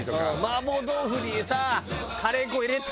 麻婆豆腐にさカレー粉入れてよって。